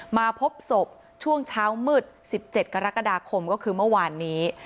มาพบศพช่วงเช้ามืด๑๗กรกฎาคมก็คือเมื่อวานนี้